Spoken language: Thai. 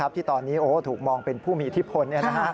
ที่ตอนนี้ถูกมองเป็นผู้มีอิทธิพล